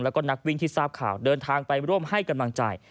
แล้วก็นักวิ่งที่ทราบข่าวเดินทางไปร่วมให้กำลังใจ